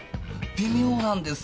微妙なんですよね。